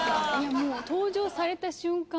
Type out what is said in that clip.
もう登場された瞬間